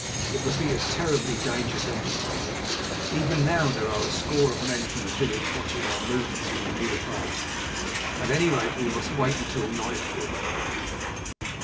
It would be a terribly dangerous enterprise. Even now there are a score of men from the village watching our movements from the wood above. At any rate we must wait until nightfall."